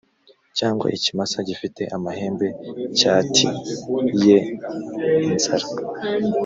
cyangwa ikimasa gifite amahembe cyat ye inzara